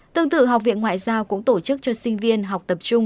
tương tự học viện ngoại giao cũng tổ chức cho sinh viên học tập trung